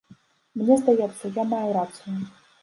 Мне здаецца, я маю рацыю.